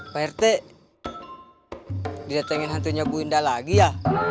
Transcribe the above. parete didatengin hantunya bu indah lagi ya